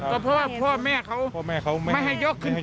ก็เพราะว่าพ่อแม่เขาไม่ให้ยกขึ้นไปไม่ให้ยกขัดหมาขึ้นไป